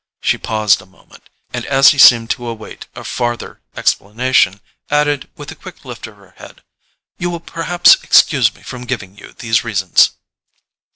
She paused a moment, and as he seemed to await a farther explanation, added with a quick lift of her head: "You will perhaps excuse me from giving you these reasons."